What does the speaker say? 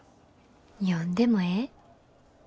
読んでもええ？